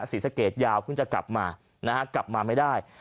ศรีสะเกดยาวเพิ่งจะกลับมานะฮะกลับมาไม่ได้